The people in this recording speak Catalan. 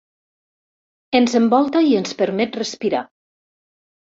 Ens envolta i ens permet respirar.